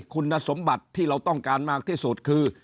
คุณสมบัติที่เราต้องการมากที่สุดคือ